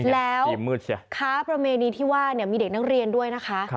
แล้วค้าประเวณีที่ว่ามีเด็กนักเรียนด้วยนะคะ